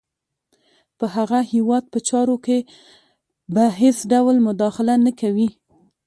په هغه هیواد په چارو کې به هېڅ ډول مداخله نه کوي.